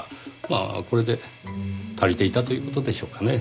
まあこれで足りていたという事でしょうかね。